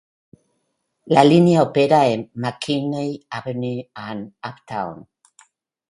La línea opera en McKinney Avenue en Uptown.